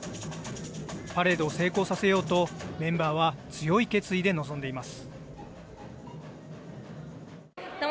パレードを成功させようと、メンバーは強い決意で臨んでいます。